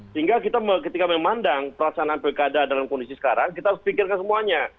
sehingga kita ketika memandang perasaan pilkada dalam kondisi sekarang kita harus pikirkan semuanya